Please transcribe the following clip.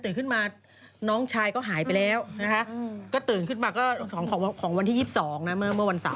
ขึ้นมาน้องชายก็หายไปแล้วนะคะก็ตื่นขึ้นมาก็ของวันที่๒๒นะเมื่อวันเสาร์